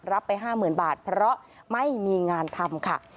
รับไป๕๐๐๐บาทเพราะไม่มีงานทำค่ะ